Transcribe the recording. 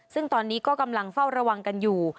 ซึ่งตอนนี้ก็กำลังเฝ้าระวังกันอยู่